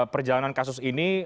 perjalanan kasus ini